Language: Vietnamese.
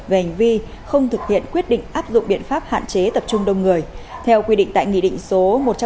về hành vi không thực hiện quyết định áp dụng biện pháp hạn chế tập trung đông người theo quy định tại nghị định số một trăm linh